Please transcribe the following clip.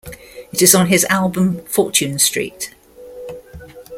It is on his album, Fortune Street.